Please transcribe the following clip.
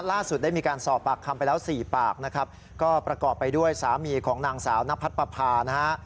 ล่าสุดได้มีการสอบปากคำไปแล้วสี่ปากนะครับก็ประกอบไปด้วยสามีของนางสาวนพัดปภานะฮะ